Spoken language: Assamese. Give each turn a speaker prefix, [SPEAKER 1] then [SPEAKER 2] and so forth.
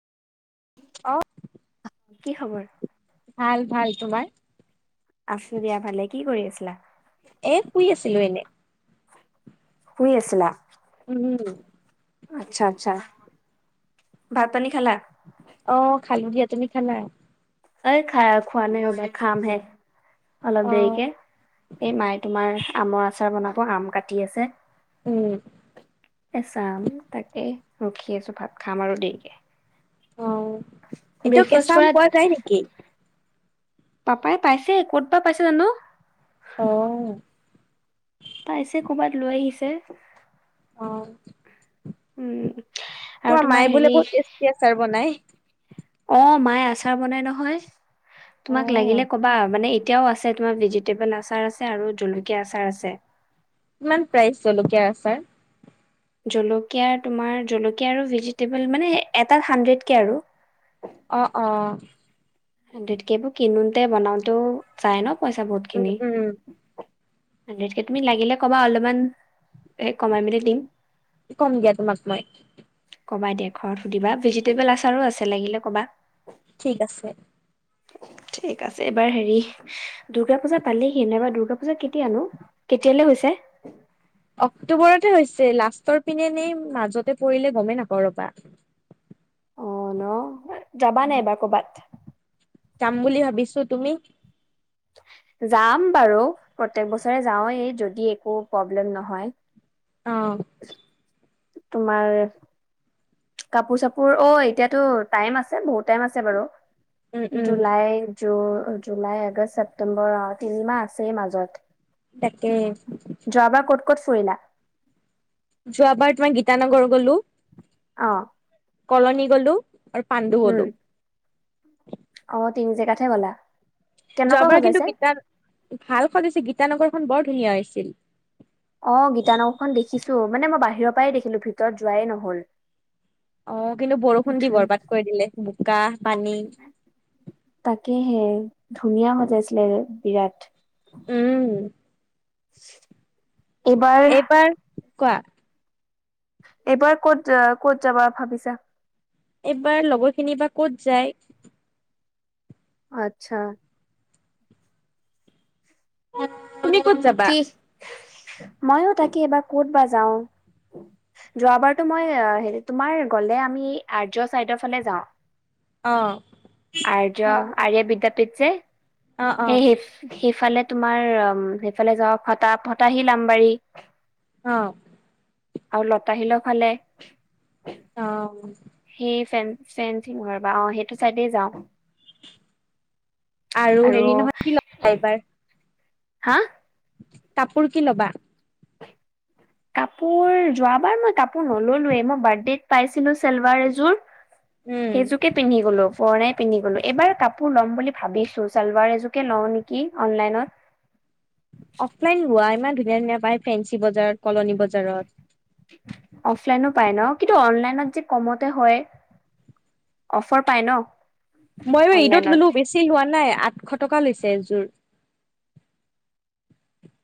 [SPEAKER 1] অ'
[SPEAKER 2] কি খবৰ?
[SPEAKER 1] ভাল, ভাল, তোমাৰ?
[SPEAKER 2] আছোঁ দিয়া ভালে, কি কৰি আছিলা?
[SPEAKER 1] এ, শুই আছিলো এনে।
[SPEAKER 2] শুই আছিলা?
[SPEAKER 1] উম।
[SPEAKER 2] আচ্ছা, আচ্ছা। ভাত-পানী খালা?
[SPEAKER 1] অ', খালি দিয়া। তুমি খালা?
[SPEAKER 2] অই খা-খোৱা নাই ৰবা, খাম হে।
[SPEAKER 1] অ
[SPEAKER 2] অলপ দেৰিকে, এই মায়ে তোমাৰ আমৰ আচাৰ বনাব, আম কাটি আছে।
[SPEAKER 1] উম।
[SPEAKER 2] কেঁচা আম। তাকে ৰখি আছোঁ ভাত খাম আৰু দেৰিকে।
[SPEAKER 1] অ', এটো
[SPEAKER 2] ব্ৰেকফাষ্ট
[SPEAKER 1] কেঁচা আম
[SPEAKER 2] কৰাত
[SPEAKER 1] পোৱা যায় নেকি?
[SPEAKER 2] পাপাই পাইছে ক'ত বা পাইছে জানো।
[SPEAKER 1] অ
[SPEAKER 2] পাইছে ক'ত। ক'ৰবাত লৈ আহিছে।
[SPEAKER 1] অহ।
[SPEAKER 2] উম। আৰু
[SPEAKER 1] তোমাৰ মায়ে বোলে
[SPEAKER 2] হেৰি
[SPEAKER 1] বহুত টেষ্টি আচাৰ বনাই? [inaudible]
[SPEAKER 2] অ মায়ে আচাৰ বনাই নহয়।
[SPEAKER 1] অ
[SPEAKER 2] তোমাক লাগিলে কবা মানে এ।। এতিয়াও আছে। তোমাৰ ভেজিটেবল আচাৰ আছে আৰু জলকীয়া আচাৰ আছে।
[SPEAKER 1] কিমান প্ৰাইজ জলকীয়াৰ আচাৰ?
[SPEAKER 2] জলকীয়া তোমাৰ জলকীয়া আৰু ভেজিটেবল মানে এটাত হাণ্ড্ৰেডকে আৰু।
[SPEAKER 1] অহ অহ।
[SPEAKER 2] বস্তু বোৰ কিনোতে বনাওঁটেও। জাই ন? পইচা বহুত
[SPEAKER 1] উম
[SPEAKER 2] খিনি।
[SPEAKER 1] উম
[SPEAKER 2] গোটেই খিনি লাগিলে কবা অলপ মান কমাই মেলি দিম।
[SPEAKER 1] কম দিয়া তোমাক মই
[SPEAKER 2] কবা দেই ঘৰত সুধিবা ভেজিটেবল আচাৰো আছে। লাগিলে কবা?
[SPEAKER 1] ঠিক আছে।
[SPEAKER 2] ঠিক আছে এবাৰ হেৰি দুৰ্গা পূজা পালেহি নাইবা দুূৰ্গা পূজা কেতিয়া নো? কেতিয়ালৈ হৈছে।
[SPEAKER 1] অক্টোবৰতে হৈছে লাষ্টৰ পিনেনে মাজতে পৰিলে গমেই নাপাওঁ। ৰবা
[SPEAKER 2] অ ন? যাবা নাই? এই বাৰ ক'ৰবাত
[SPEAKER 1] যাম বুলি ভাবিছোঁ তুমি?
[SPEAKER 2] যাম বাৰু প্ৰত্যেক বছৰে যাওঁৱেই যদি একো প্ৰব্লেম নহয়।
[SPEAKER 1] অহ।
[SPEAKER 2] তোমাৰ।। কাপোৰ চাপোৰ অ এতিয়াতো টাইম আছে। বহুত টাইম আছে বাৰু
[SPEAKER 1] উম উম
[SPEAKER 2] জুুলাই জু।। জুলাই, আগষ্ট, চেপ্তেম্বৰ আৰু তিনি মাহ আছেই মাজত।
[SPEAKER 1] এাকে
[SPEAKER 2] ত শুিলা
[SPEAKER 1] যোৱ বাৰত তোমই গীতানগৰ গলো
[SPEAKER 2] অ
[SPEAKER 1] কলনী গ'লো আৰু পাণ্ডু
[SPEAKER 2] উম
[SPEAKER 1] হলো
[SPEAKER 2] অ তিনি জেগঠে ব'লা
[SPEAKER 1] যোৱাবাৰ কিন্তু গীতা ভাল সজছে গীতানগৰ বৰ ধুনীয়া হৈছিল
[SPEAKER 2] অ গীতা নৌখন দেখিছো মানে মই বাহিৰৰ পৰাই দেখিলো ভিতৰত যোৱাই নহল
[SPEAKER 1] অ কিন্তু বৰষুণ দি
[SPEAKER 2] আথুৰি।
[SPEAKER 1] বৰবাত কৰি দিলে বোকা পানী
[SPEAKER 2] সে ধুনীয়া মজাইছিলে আৰু বিৰাট
[SPEAKER 1] উম
[SPEAKER 2] [unintelligible] এইবাৰ
[SPEAKER 1] কোৱা
[SPEAKER 2] এইবাৰ ক'ত যা ক'ত যাবা ভাবিছা
[SPEAKER 1] এইবাৰ লগৰ খিনি বা ক'ত যায়
[SPEAKER 2] আচ্ছা
[SPEAKER 1] তুমি ক'ত যাবা
[SPEAKER 2] মই তাকে এইবাৰ ক'ত বা যাওঁ যোৱাবাৰতো মই হেৰি তোমাৰ গ'লে আমি আৰ্য চাইদৰ ফালে যাওঁ
[SPEAKER 1] অ
[SPEAKER 2] আৰ্য আয় বিদ্যাপীঠ যে
[SPEAKER 1] অ অ
[SPEAKER 2] সেই
[SPEAKER 1] অ
[SPEAKER 2] স সিফালে তোমাৰ আমম হেটো সেফালে যাওঁ ফটা ফতাহিল আমবাৰী
[SPEAKER 1] অ
[SPEAKER 2] আৰু লতা শিলৰ ফালে
[SPEAKER 1] অ
[SPEAKER 2] সেই ফেন ফৰেনচিক ৰবা অ সেইটো চাইডে যাওঁ
[SPEAKER 1] আৰু হেৰি নহয় কি ললা এইবাৰ
[SPEAKER 2] হা
[SPEAKER 1] কাপোৰ কি ল'বা
[SPEAKER 2] কাপোৰ যোৱাবাৰ মই কাপোৰ নললোৱে মই বাৰ্থডেত পাইছিলো চালৱাৰ এযোৰ
[SPEAKER 1] উম
[SPEAKER 2] সেইযোকে পিন্ধি গলো পুৰনাই পিন্ধি গলো এইবাৰ কাপোৰ ল'ম বুলি ভাবিছো চালৱাৰ এজোৰকে লওঁ নিকি অনলাইনত
[SPEAKER 1] অফলাইন লোৱা ইমান ধু ধুনীয়া ধুনীয়া পাই ফেনচি বজাৰত কলনী বজাৰত
[SPEAKER 2] পায় ন কিন্তু অনলাইনত যে কমতে হয় অফাৰ পায় ন
[SPEAKER 1] মই ঈদত
[SPEAKER 2] অনলাইনত
[SPEAKER 1] ল'লো বেছি লোৱা নাই। আঠশ টকা লৈছে এযোৰ।